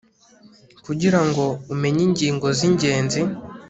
kugira ngo umenye ingingo z'ingenzi